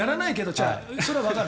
それはわかる。